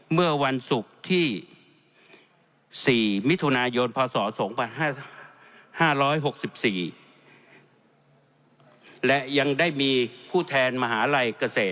เมื่อวันศุกร์ที่๔มิถุนายนพศ๒๕๖๔และยังได้มีผู้แทนมหาลัยเกษตร